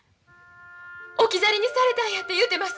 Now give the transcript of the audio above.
置き去りにされたんやて言うてます。